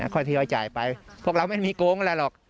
ค่อยทยอยจ่ายไปพวกเราไม่มีโกงอะไรหรอก